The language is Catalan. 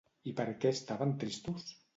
I per què estaven tristos?